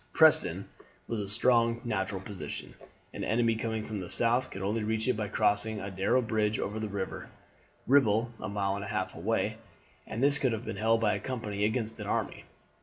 "Preston was a strong natural position; an enemy coming from the south could only reach it by crossing a narrow bridge over the river Ribble a mile and a half away, and this could have been held by a company against an army.